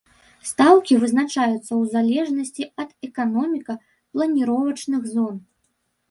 Стаўкі вызначаюцца ў залежнасці ад эканоміка-планіровачных зон.